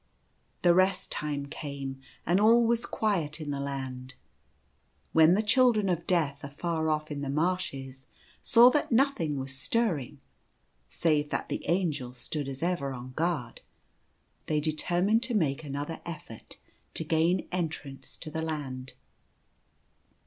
The Rest Time came ; and all was quiet in the Land. When the Children of Death afar off in the marshes saw that nothing was stirring, save that the Angels stood as ever on guard, they determined to make another effort to gain entrance to the Land.